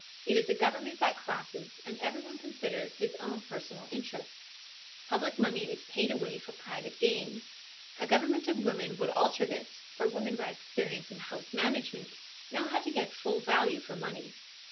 It is a government by classes, and every one considers his own personal interests. Public money is paid away for private gain. A government of women would alter all this, for women by experience in house management know how to get full value for money.